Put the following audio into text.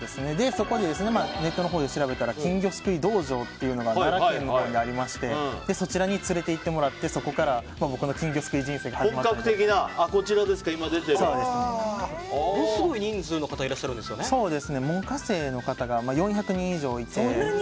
そこでネットのほうで調べたら金魚すくい道場が奈良県のほうにありましてそちらに連れて行ってもらってそこから僕の金魚すくい人生がものすごい人数の方門下生の方が４００人以上いて。